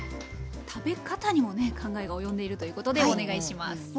食べ方にもね考えが及んでいるということでお願いします！